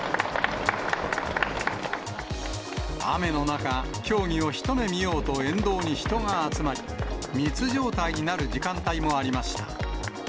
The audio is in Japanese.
雨の中、競技を一目見ようと沿道に人が集まり、密状態になる時間帯もありました。